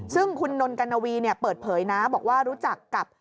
ซึ่งคุณนนท์กันนาวีเนี่ยเปิดเผยนะบอกว่ารู้จักกับ